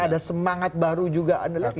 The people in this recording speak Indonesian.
ada semangat baru juga